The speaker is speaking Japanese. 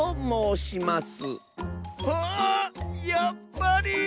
あやっぱり！